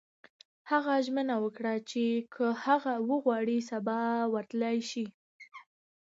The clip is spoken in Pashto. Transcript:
هغه ژمنه وکړه چې که هغه وغواړي سبا ورتلای شي